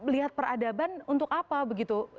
melihat peradaban untuk apa begitu